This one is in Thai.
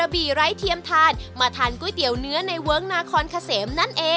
สีเช้าเฉียนก็มา